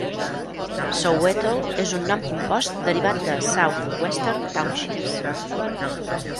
Soweto és un nom compost derivat de South-Western Townships.